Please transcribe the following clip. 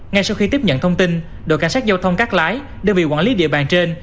ngay sau khi tiếp nhận thông tin đội cảnh sát giao thông cắt lái đơn vị quản lý địa bàn trên